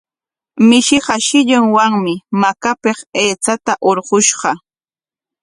Mishiqa shillunwami makapik aychata hurqushqa.